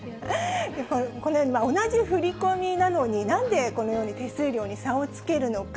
このように同じ振り込みなのになんでこのように手数料に差をつけるのか。